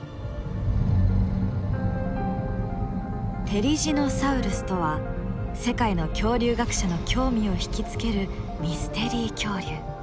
テリジノサウルスとは世界の恐竜学者の興味を引き付けるミステリー恐竜。